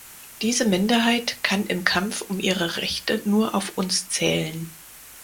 Diese Minderheit kann im Kampf um ihre Rechte nur auf uns zählen.